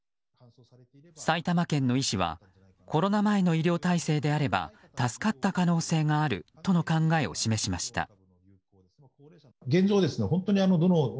埼玉県の医師はコロナ前の医療体制であれば助かった可能性があるとの考えを示しました。